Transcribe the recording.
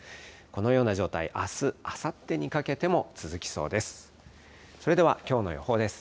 このような状態、あす、あさってにかけても続きそうです。